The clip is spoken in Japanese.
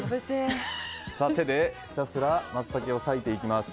手でひたすらマツタケを裂いていきます。